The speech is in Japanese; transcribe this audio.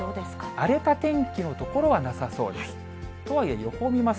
荒れた天気の所はなさそうです。